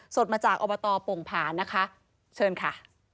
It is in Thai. สดมาจากอบตโป่งผานะคะเชิญค่ะ